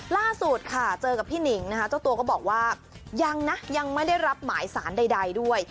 ล่าสุดค่ะเจอกับพี่หนิงนะคะเจ้าตัวก็บอกว่ายังนะยังไม่ได้รับหมายสารใดด้วย